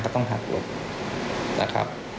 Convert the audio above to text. ต้องหักหลบนะครับ